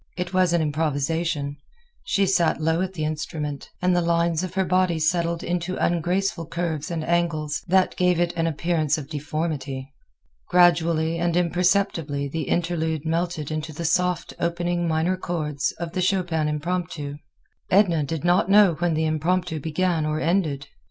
It was an improvisation. She sat low at the instrument, and the lines of her body settled into ungraceful curves and angles that gave it an appearance of deformity. Gradually and imperceptibly the interlude melted into the soft opening minor chords of the Chopin Impromptu. Edna did not know when the Impromptu began or ended.